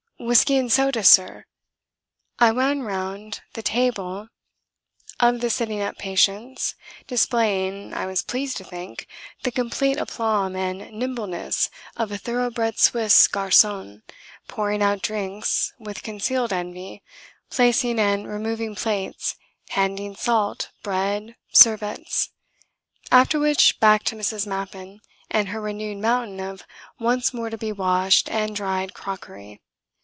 "Whiskey and soda, Sir?" I ran round the table of the sitting up patients, displaying (I was pleased to think) the complete aplomb and nimbleness of a thoroughbred Swiss garçon, pouring out drinks with concealed envy placing and removing plates, handing salt, bread, serviettes.... After which, back to Mrs. Mappin and her renewed mountain of once more to be washed and dried crockery.